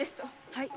はい！